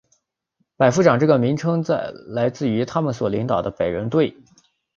百夫长这个名称来自于他们所领导百人队。